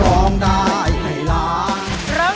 ร้องได้ให้ล้าน